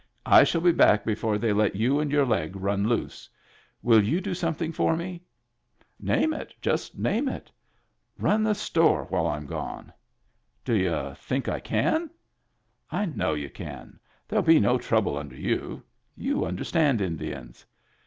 I shall be back before they let you and your leg run loose. Will you do something for me ?"" Name it. Just name it." " Run the store while Tm gone." "D'y'uthinklcan?" " I know you can. Therell be no trouble under you. You understand Indians."